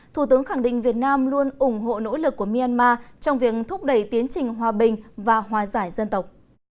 thủ tướng khẳng định việt nam luôn ủng hộ nỗ lực của myanmar trong việc thúc đẩy tiến trình hòa bình và hòa giải dân tộc